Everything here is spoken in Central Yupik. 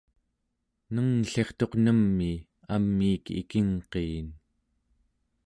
nengllirtuq nem'i amiik ikingqiin